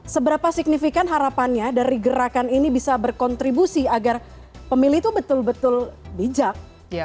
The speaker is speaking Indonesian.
seberapa signifikan harapannya dari gerakan ini bisa berkontribusi agar pemilih itu betul betul bijak